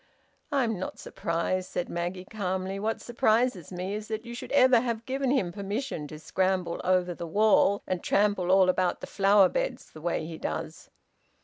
"I'm not surprised," said Maggie calmly. "What surprises me is that you should ever have given him permission to scramble over the wall and trample all about the flower beds the way he does!"